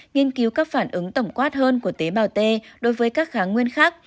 nghiên cứu các phản ứng tổng quát hơn của tế bào t đối với các kháng nguyên khác